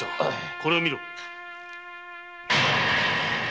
これを見ろ。